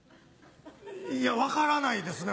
いや分からないですね